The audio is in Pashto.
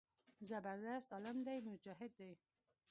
زبردست عالم دى مجاهد دى.